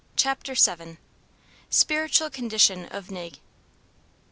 CHAPTER VII. SPIRITUAL CONDITION OF NIG.